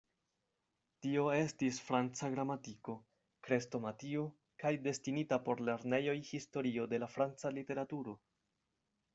Tio estis franca gramatiko, krestomatio kaj destinita por lernejoj historio de la franca literaturo.